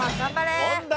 問題